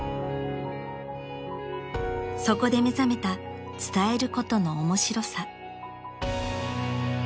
［そこで目覚めた伝えることの面白さ］